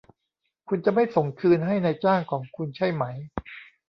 คุณจะไม่ส่งคืนให้นายจ้างของคุณใช่ไหม